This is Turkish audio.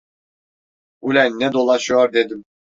Ulen ne dolaşıyor dedim.